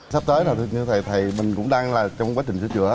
sắp tới là thầy mình cũng đang trong quá trình sửa chữa